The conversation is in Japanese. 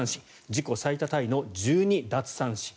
自己最多タイの１２奪三振。